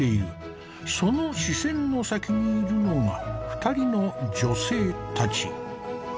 その視線の先にいるのが２人の女性たち。